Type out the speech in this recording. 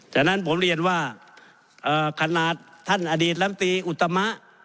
ฉะนั้นผมเรียนว่าขนาดท่านอดีตลำตีอุตมะ